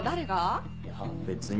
いや別に？